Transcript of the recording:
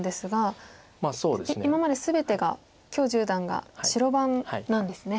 今まで全てが許十段が白番なんですね。